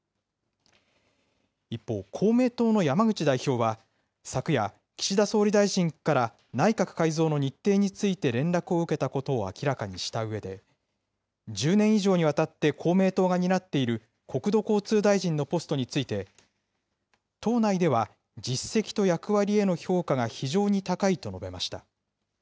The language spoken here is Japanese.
一方、公明党の山口代表は昨夜、岸田総理大臣から内閣改造の日程について連絡を受けたことを明らかにしたうえで、１０年以上にわたって公明党が担っている国土交通大臣のポストについて、党内では実績と役割への評価が非常に高いと述べました。